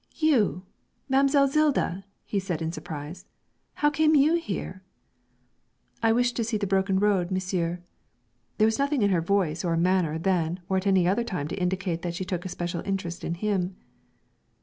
'You! Mam'selle Zilda,' he said in surprise; 'how came you here?' 'I wished to see the broken road, monsieur.' There was nothing in her voice or manner then or at any other time to indicate that she took a special interest in him.